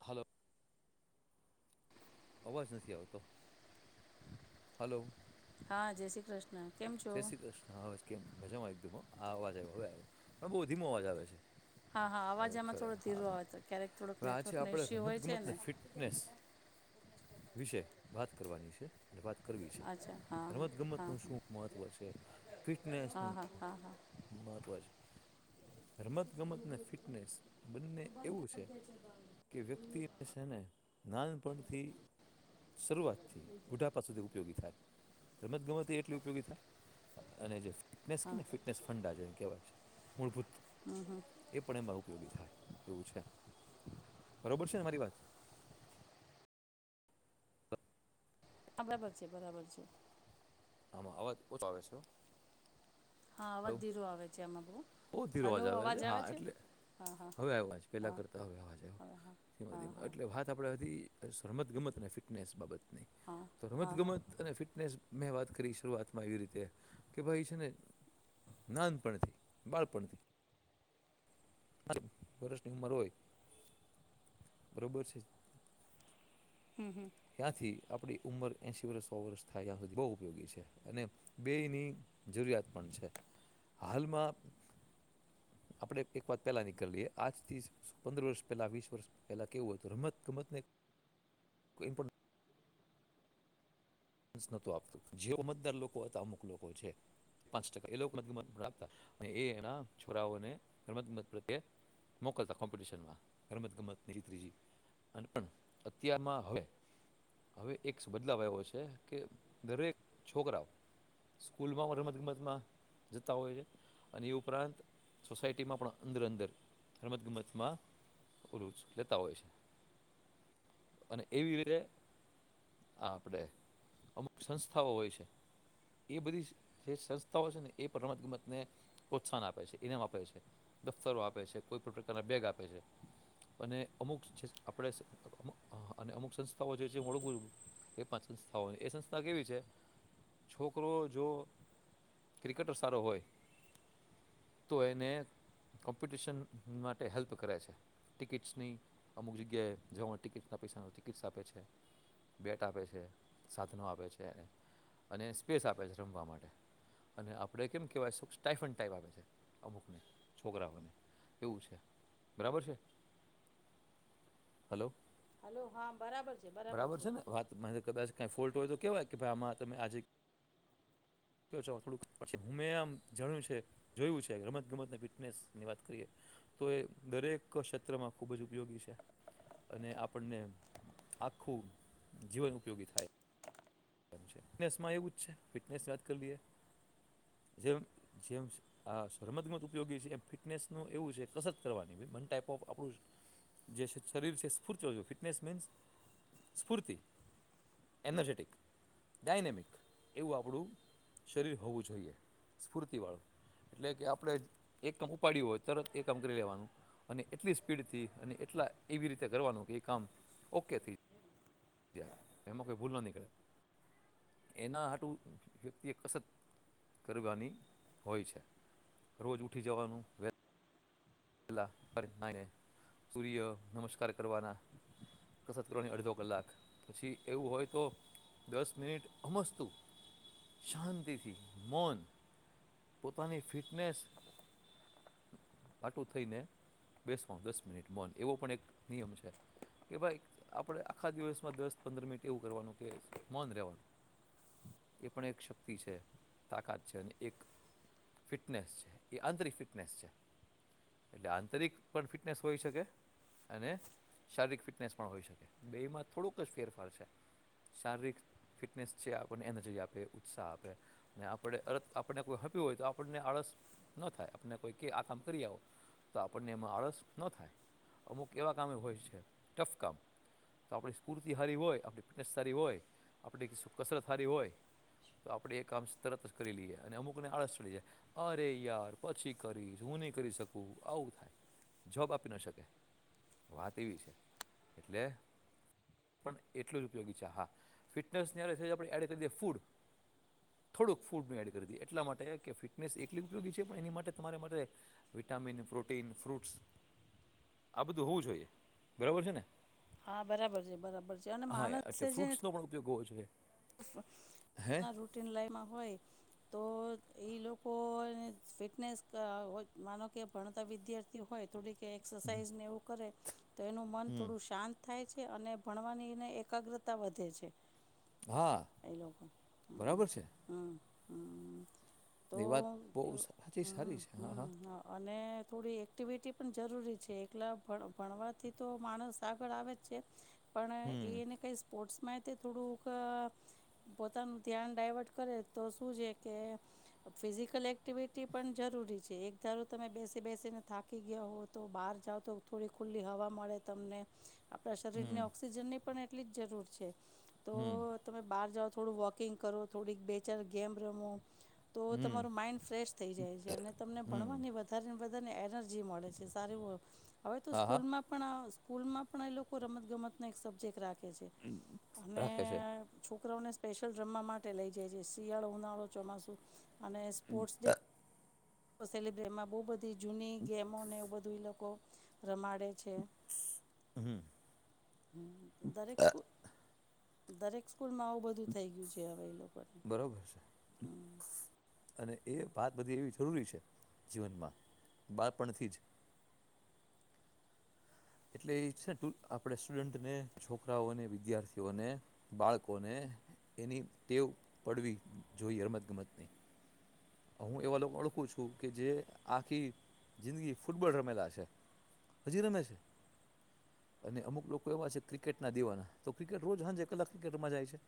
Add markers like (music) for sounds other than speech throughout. Hello. અવાજ નથી આવતો. હલો. હા જય શ્રી કૃષ્ણ. કેમ છો જય શ્રી કૃષ્ણ અવાજ કેમ મજામાં એકદમો આ અવાજ આવ હવે આવ્યો પણ બહુ ધીમો અવાજ આવે છે. હા, હા અવાજ આવ્યો એમાં થોડો ખરા ધીરો હા આવે, તો ક્યારેક થોડોક હવે આજે નેટવર્ક નો આપણે ઈસ્યુ હોય છે રમતગમતને ને ફિટનેસ વિશે વાત કરવાની છે. વાત કરવી છે અચ્છા હા રમત ગમત હા નું શું મહત્વ છે ફિટનેસ નુ હા હા હા હા મહત્વ છે. રમત, ગમત ને ફિટનેસ બંને એવું છે કે વ્યક્તિ છેને નાન પણથી શરૂઆત થી બુઢાપા સુધી ઉપયોગી થાય. રમત ગમતી એટલી (unintelligible) અને જે ફિટનેસ કે ને ફિટનેસ ફંડાજને કેવાય છે. મુળભૂત હમ્મ હમ્મ. એ પણ એમાં ઉપયોગી થાય એવું છે. બરોબર છે ને મારી વાત? આ બરાબર છે, બરાબર છે. આ માં અવાજ ઓછો આવે છે હો. હા અવાજ ધીરું આવે છે. એમાં બવ. બો ધીરો અવાજ આવે છે હા એટલે હા હા હવે આવજ પેલા હા કરતા હવે અવાજ આવ હવે હા હા (unintelligible) હા એટલે વાત આપડે અતી સરમત ગમત અને ફિટનેસ બાબત હા તો રમત હા ગમત અને ફિટનેસ મેં વાત કરી શરૂઆતમાં એવી રીતે કે ભાઈ છે ને નાનપણથી બાળપણથી (unintelligible) વર્ષની ઉમર હોય. બરોબર છે? ત્યાંથી આપડી ઉંમર એશી વર્ષ, સો વર્ષ થાય ત્યાં સુધી બહુ ઉપયોગી છે. અને બેની જરૂરિયાત પણ છે હાલમાં આપણે એક વાત પેલા ની કરલીએ આજ થી પંદર વર્ષ પેલા વીસ વર્ષ પેલા કેવું હોય તો રમત ગમતને કોઈ પણ (unintelligible) નતુ આવતું. જે મતદાર લોકો હતા આમાં અમુક લોકો એ છે પાંચ ટકા એ લોક (unintelligible) રાખતા અને એ એના છોરાને રમતગમત માટે મોકલતા કોમ્પિટિશન માં રમત ગમત (unintelligible) નાનપણ અત્યારમાં હવે એક બદલાવ આયવો છે કે દરેક છોકરા સ્કૂલમાં હો રમત ગમતમાં જતા હોય છે અને એ ઉપરાંત સોસાયટીમાં પણ અંદર અંદર રમત ગમતમાં (unintelligible) લેતા હોય છે. અને એવી વીરે આપણે અમુક સંસ્થાઓ હોય છે, એ બધી જે સંસ્થાઓ છે ને એ પણ રમત ગમતને પ્રોત્સાહન આપે છે ઇનામ આપે છે દફતરો આપે છે કોઈ પણ પ્રકારના બેગ આપે છે. અને અમુક (unintelligible) આપણે અને અમુક સંસ્થાઓ જે છે (unintelligible) સંસ્થાઓ એ સંસ્થા કેવી છે છોકરો જો ક્રિકેટર સારો હોય તો એને કોમ્પિટિશન માટે હેલ્પ કરે છે. ટિકિટ્સની અમુક જગ્યાએ જવાની ટિકિટ્સના પૈસાની ટિકિટ્સ આપે છે બેટ આપે છે. સાધનો આપે છે. અને સ્પેસ આપે છે રમવા માટે અને આપડ કેમ કેવાય સ્ટાઈફડ ટાઈપ આપે છે અમુકને છોકરાઓને એવું છે બરાબર છે. હલો. હલો હા. બરાબર છે ને વાત મારિ કદાજ કાંઈ ફોલ્ટ હોય તો કહેવાય કે ભાઈ આમાં તમે આજે કેવો છો થોડું હું મે આમ જાણ્યું છે જોયું છે રમત ગમત ફિટનેસની વાત કરીએ તો એ દરેક ક્ષેત્રમાં ખુબ જ ઉપયોગી છે અને આપણને આખું જીવન ઉપયોગી થાય. નેસમાં એવું જ છે ફિટનેસની વાત કરી લએ જેમ જેમ આ શરમતગમત ઉપયોગી છે એમ ફિટનેસ ન એવું છે કસરત કરવાની મન વન ટાઈપ ઓફ આપણું જે શરીર છે સ્ફૂર્ત ફિટનેસ મીન્સ સ્ફૂર્તિ એનર્જેટિક. ડાયનેમિક એવું આપણું શરીર હોવું જોઈએ સ્ફૂર્તિ વાળું એટલે કે આપણે એક આમ ઉપાડ્યું હોય તરત એક આમ કરી લેવાનું અને એટલી સ્પીડથી અને એટલા એવી રીતે કરવાનું કે એ કામ ઓકે થય. જાય એમાં કોઈ ભૂલ ન નીકળે એના હાટું વ્યક્તિ એ કસત કરવાની હોય છે રોજ ઉઠી જવાનું પેલા (unintelligible) સૂર્ય નમસ્કાર કરવાના કસર કરવાની અડધો કલાક પછી એવું હોય તો દસ મિનિટ અમસ્તું શાંતિથી મન પોતાની ફિટનેસ વાટું થઈને બેસવાનું દસ મિનિટ મન એવો પણ એક નિયમ છે કે ભાઈ આપણે આખા દિવસમાં દસ પંદર મિનિટ એવું કરવાનું કે મૌન રહેવાનું એ પણ એક શક્તિ છે તાકાત છે અને એક ફિટનેસ છે એ આંતરિક ફિટનેસ છે. એટલે આંતરિક પણ ફિટનેસ હોય શકે અને શારીરિક ફિટનેસ પણ હોય શકે બેમાં થોડુંક જ ફેરફાર છે શારીરિક ફિટનેસ છે આપણને એનર્જી આપે ઉત્સાહ આપે અને આપણે અ આપને કોઈ હેપ્પી હોય તો આપણને આળસ ન થાય આપને કોઈ આ કામ કરી આવો. તો આપણને એમાં આળસ ન થાય અમુક એવા કામ હોય છે ટફ કામ તો આપણી સ્ફૂર્તિ સારી હોય આપણી ફિટનેસ સારી હોય આપણી શું કસરત સારી હોય તો આપણે એ કામ તરત જ કરી લઈએ અને અમુકને આળસ ચડી જાય અરે યાર પછી કરી હુ ની કરી શકું આવું થાય જબ આપી ના શકે વાત એવી છે એટલે પણ એટલું જ ઉપયોગી છે હા ફિટનેસ આપણે એડ કરી દ ફૂડ થોડુંક ફૂડ ન એડ કરી દ એટલા માટે કે ફિટનેસ એટલી ઉપયોગી છે પણ એની માટે તમારે માટે વિટામિન, પ્રોટીન, ફ્રૂટ્સ આ બધું હોવું જોઈએ બરોબર છે ને. હા, બરાબર છે, બરાબર છે. છે અને હા માણસે એટલે સે જે ફ્રૂટ્સનો પણ ઉપયોગ હોવો જોઈએ હે રૂટિન લાઇન હોય તો ઈ લોકોને ફિટનેસ ક માનો કે ભણતા વિદ્યાર્થી હોય થોડી કે એક્સરસાઇઝ ને એવું કરે. તો એનું મન હમ થોડું શાંત થાય છે અને ભણવાનીને એકાગ્રતા વધે છે. હા એ લોકો, બરાબર છે હમ્મ. એ વાત બવ હજી હમ સારી છે હા હા. હમ અને થોડી એક્ટિવિટી પણ જરૂરી છે એકલા ભણ ભણવાથી તો માણસ આ બળા બચ્ચે પણ હમ એને કંઈ સ્પોર્ટ્સ મા તે થોડુંક અ પોતાનું ધ્યાન ડાયવર્ટ કરે તો શું છે કે ફિઝિકલ એક્ટિવિટી પણ જરૂરી છે. એક ધારો તમે બેસી બેસીને થાકી ગયા હો તો બહાર જાઓ તો થોડી ખુલ્લી હવા મળે તમને આપણા શરીર હમ ને ઓક્સિજન ની પણ એ એટલી જ જરૂર છે. તો હમ તમે બહાર જાઓ થોડું વોકિંગ કરો, થોડીક બે ચાર ગેમ રમો તો હમ તમારું માઇન્ડ ફ્રેશ થઈ જાય છે અને તમને હમ ભણવાની વધારે ને વધ બધાને એનર્જી મળે છે સારી વ હવે તો હા હા સ્કૂલ માં પણ કુલમાં પણ એ લોકો રમત ગમત ને એક સબ્જેક્ટ રા છે, અમે રાખે છે છોક છોકરાઓને સ્પેશિયલ રમવા માટે લઈ જાય છે શિયાળો, ઉનાળો, ચોમાસુ અને સ્પોર્ટ્સ ડે તો સેલિબ્રિમાં બો બધ ધી જૂની ગેમોને એવું બધ ધી લોકો રમાડે છે. હમ્મ. હમ્મ, દરેક સ્કૂલ દરેક સ્કૂલ માં આવું બધું થઈ ગયું છે હવે એલોકો બરોબર છે. અને એ વાત બધી એવી જરૂરી છે, જીવનમાં બાળપણ થીજ. એટલે એ છે ને આપણે સ્ટુડન્ટને, છોકરાઓને, વિદ્યાર્થીઓને, બાળકોને એની ટેવ પડવી જોઈએ, રમત ગમતની. હું, એવા લોકો ઓળખું છું કે જે આખી જિંદગી ફૂટબોલ રમેલા છે, હજી રમે છે અને અમુક લોકો એવા છે ક્રિકેટના દીવાના તો ક્રિકેટ રોજ હજે કલાક ક્રિકેટ રમવા જાય છે,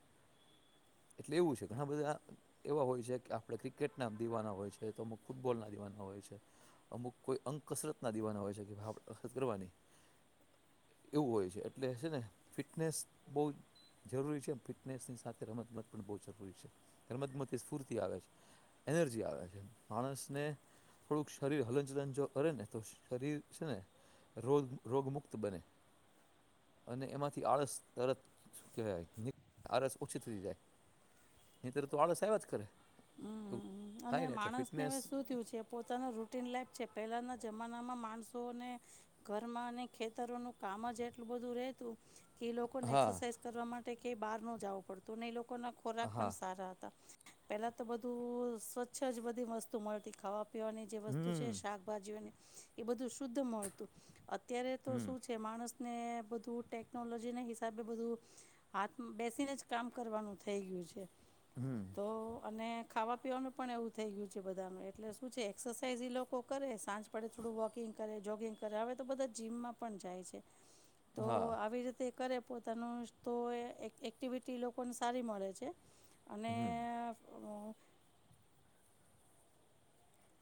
એટલે એવું છે ઘણા બધા એવા હોય છે કે આપણે ક્રિકેટ ના દિવાના હોય છે, તો અમુક ફૂટબોલ ના દિવાના હોય છે, અમુક કોઈ અંક કસરત ના દિવાના હોય છે કે કરવાની એવું હોય છે, એટલે છે ને ફિટનેસ બહ જરૂરી છે. ફિટનેસની સાથે રમતમત પણ બહ જરૂરી છે, રમતમત એ સ્ફૂર્તિ આવે છે. એનર્જી આવે છે, માણસને થોડુંક શરીર હલનચલન જો કરે ને તો શરીર છે ને રોગ રોગ મુક્ત બને અને એમાંથી આળસ તરત શું કહેવાય આળસ ઓછી થતી જાય, ની તર તો આળસ આવ્યા જ કરે એવું હમ્મ અને થાય ને એટલે માણસને ફિટનેસ હવે શું થયું છે પોતાનું રૂટીન લાઈફ છે પહેલાના જમાનામાં માણસોને ઘરમાં અને ખેતરોનું કામ જ એટલું બધું રેતું એ લોકો ને હા એક્સરસાઇઝ કરવા માટ ટે બાર ન જવું પડતું, ને એલોક કો નો ખોરાક પણ હા સારા હતા. પેલા તો બધું સ્વચ્છ જ બધી વસ્તુ મળતી ખાવા પીવાની જે વસ્તુ છે હમ શાકભાજીઓની. એ બધું શુદ્ધ મળતું અત્ અત્યારે તો હમ શું છે માણસ. ને બધું ટેકનોલોજીના હિસાબે બધું હાથમાં બેસીને જ કામ કરવાનું થઈ ગયું છે. હમ તો. ને ખાવા પીવાનું પણ એવું થઈ ગયું છે બધાનું એટલે શું છે એક્સરસાઇઝ એ લોકો કરે સાંજ પડે થોડું વોકિંગ કરે જોગિંગ કરે હવે તો બધા જીમમાં પણ જાય છે. તો હા આવી રીતે કરે. પોતાનું તો એ એક્ટિવિટી લોકોને સારી મળે છે. અને. હમ અ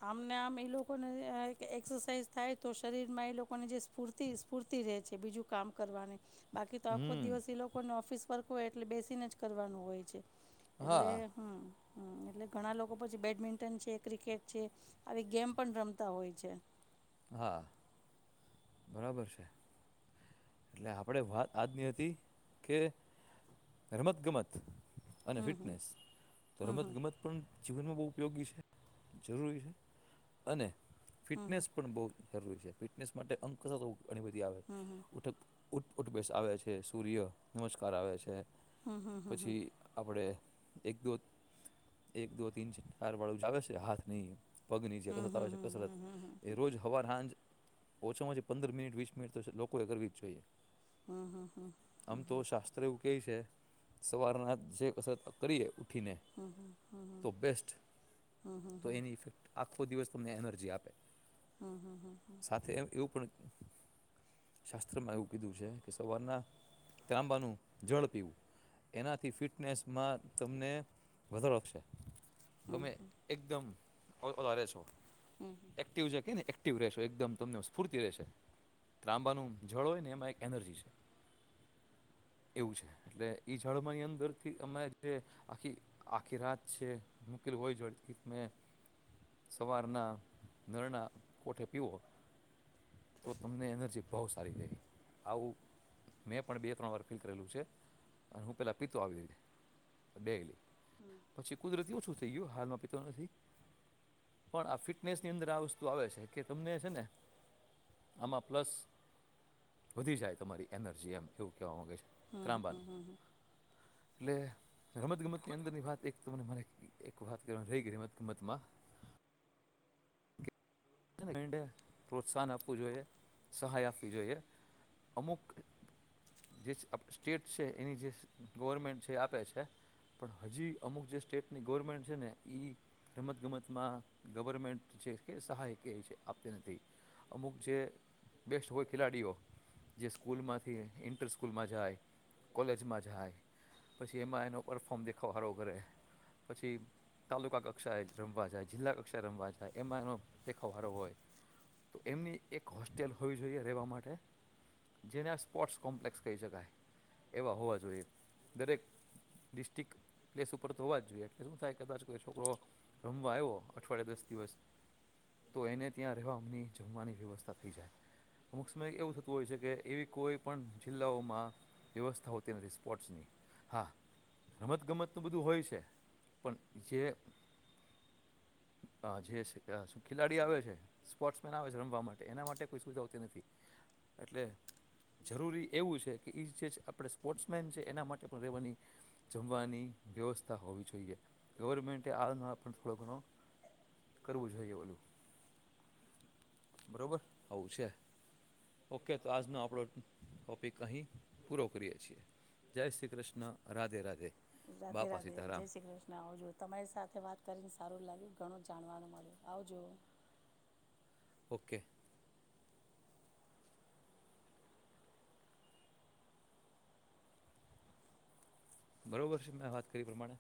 આમને આમ એ લોકોને એક્સરસાઝ થાય તો શરીરમાં એ લોકોને જે સ્ફૂર્તિ-સ્ફૂર્તિ ર છે બીજું કામ કરવાની. બાકી તો આખો હમ દિવસ એ લોકોને ઓફિસ. ફર્ક હોય એટલે બેસીને જ કરવાનું હોય છે. એટલે હા હમ્મ. હમ્મ એટલે ઘણા લોકો પછી બેડમિન્ટન છે ક્રિકેટ આવી ગેમ પણ રમતા હોય છે. હા. બરાબર છે. એટલે આપડે વાત આજની હતી કે રમત ગમત અને હમ હમ ફિટનેસ તો રમત હમ ગમત પણ જીવનમાં બવ ઉપયોગી છે, જરૂરી છે અને હમ ફિટનસ પન બો જરૂરી છે ફિટનેસ માટે અંક (unintelligible) ઘણી બધી આવે. હમ ઉઠ ઉઠ બેસ આવે છે, સૂર્ય નમસ્કાર આવે છે હમ હમ હમ હમ પછી આપડે એક દો એક દો તીન ચાર વાળું જ આવે છે હાથ નહી પગની જે હમ હમ કસરત આવે છે કસરત હમ હમ એ રોજ હવાર હાંજ ઓછામાં ઓછી પંદર મિનટ વીસ મિનિટ તો છે. લોકો કરવી જ જોઈએ. હમ હમ આમ તો શાસ્ત્ર એવું કેય છે સવારના જે કસરત કરીએ ઉઠીને હમ હમ હમ તો બેસ્ટ, હમ હમ હમ હમ હમ તો એની ઇફેક્ટ આ તો દિવસ તમને એનર્જી આપે. હમ સાથે એમ એવું પણ. શાસ્ત્રમાં એવું કીધું છે કે સવારના તાંબાનું જળ પીવું એનાથી ફિટનેસમાં તમને વધારોશે. હમ તમે હમ એકદમ. વધ વધારે છો. હમ એક્ટિવ જ કે ને એકદમ તમ સ્ફૂર્તિ રહેશે, ત્રાંબાનું જળ હોય ને એમાં એક એનર્જી છે એવું છે, એટલે જળમાંની અંદર થી અરે જે આખી આખી રાત છે મૂકેલું હોય જળથી તમે સવારના નળના કોઠે પીવો તો તમને એનર્જી બહુ સારી થઈ આવું મેં પણ બે ત્રણ વાર ફીલ કરેલું છે અને હું પહેલાં પિતો આવી રીતે ડેલી. પછી કુદરતીઓ છું થઈ ગયું હાલમાં પીતો નથી પણ આ ફિટનેસની અંદર આ વસ્તુ આવે છે કે તમને છે ને આમાં પ્લસ. વધી જાય તમારી એનર્જી એમ એવું કેહેવા ગે છે. હમ ત્રાંબા. એટલે રમત ગમતની અંદરની વાત એકને મને એક વાત કરવાની રહી ગઈ રમત ગમતમાં પ્રોત્સાહન આપવું જોઈએ સહાય આપવી જોઈએ. અમુક જે સ્ટેટ છે એની જે ગવર્મેન્ટ છે એ આપે છે, પણ હજી અમુક જે સ્ટેટની ગવર્મેન્ટ છે ને એ રમતગમતમાં ગવર્મેન્ટ છે કે સહાય આપ નથી અમુક જે બેસ્ટ હોય ખેલાડીઓ જે સ્કૂલમાંથી ઇન્ટર સ્કૂલમાં જાય, કોલેજમાં જાય, પછી એમાં એનો પરફોર્મ દેખાવ સારો કરે પછી તાલુકા કક્ષાએ રમવા જાય, જિલ્લા કક્ષાએ રમવા જાય એમાં એનો દેખાવળ હોય તો એમની એક હોસ્ટેલ હોવી જોઈએ રહેવા માટે, જેને સ્પોર્ટ્સ કોમ્પ્લેક્સ કહી શકાય એવા હોવા જોઈએ દરેક ડિસ્ટિક પ્લેસ ઉપર તો હોવા જોઈએ એટલે શું થાય કદાચ છોકરો રમવા આવ અઠવાડયે દસ દિવસ. તો એને ત્યાં રહેવાની જમવાની વ્યવસ્થા થઈ જાય. અમુક સમય એવું થતું હોય છે કે એવી કોઈ પણ જિલ્લાઓમાં વ્યવસ્થા હોતી નથી સ્પોર્ટ્સની હા, રમતગમત તો બધું હોય છે પણ જે જે ખેલાડી આવે છે સ્પોર્ટ્સમેન આવે છે રમવા માટે એના માટે કોઈ સુવિધા હોતી નથી એટલે જરૂરી એવું છે, કે એ જે આપણે સ્પોર્ટ્સમેન છે એના માટે પણ રહેવાની જમવાની વ્યવસ્થા હોવી જોઈએ. ગવર્મેન્ટ આમાં પણ થોડો ઘણો કરવું જોઈએ ઓલું. બરોબર આવું છે ઓકે તો આજનો આપણો ટોપિક અહી પૂરો કરીએ છીએ. જય શ્રી કૃષ્ણ, રાધે રાધે. રાધે બાપા રાધે, જય સીતારામ શ્રી કૃષ્ણ, આવજો તમારી સાથે વાત કરીને સારું લાગ્યું, ઘણું જાણવાનું મળ્યું, આવજો. ઓકે. બરોબર છે, મેં વાત કરી પ્રમાણે.